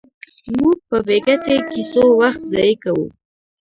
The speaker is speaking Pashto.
موږ په بې ګټې کیسو وخت ضایع کوو.